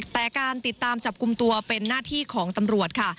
แต่การติดตามจับกลุ่มตัวเป็นหน้าที่ของตำรวจค่ะ